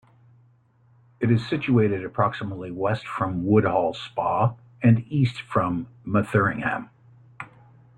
It is situated approximately west from Woodhall Spa and east from Metheringham.